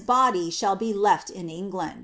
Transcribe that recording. body shall he left in Englan